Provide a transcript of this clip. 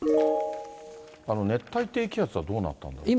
熱帯低気圧はどうなったんですか。